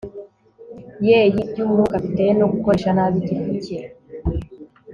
ye yibyumwuka bitewe no gukoresha nabi igifu cye